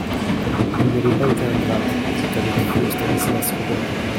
Vous n'avez pas été ingrate, dit avec feu Stanislas Robert.